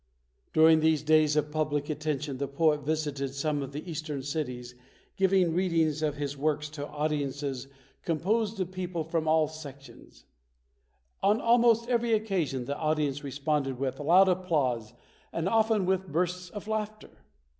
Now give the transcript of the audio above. During these days of public attention, the poet visited some of the eastern cities, giving readings PAUL LAURENCE DUNBAR [55 of his works to audiences composed of people from all sections. On almost every occasion, the audience responded with loud applause and often with bursts of laughter.